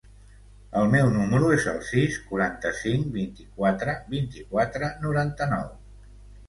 El meu número es el sis, quaranta-cinc, vint-i-quatre, vint-i-quatre, noranta-nou.